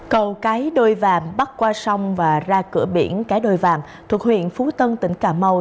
cầu cái đôi vàm bắt qua sông và ra cửa biển cái đôi vàm thuộc huyện phú tân tỉnh cà mau